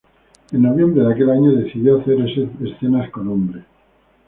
En noviembre de aquel año, decidió hacer escenas con hombres.